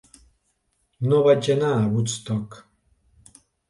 No vaig anar a Woodstock.